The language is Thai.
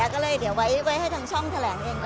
ก็เลยเดี๋ยวไว้ให้ทางช่องแถลงเองด้วยนะคะ